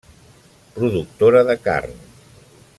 Productora de carn.